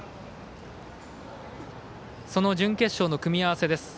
その準決勝の組み合わせです。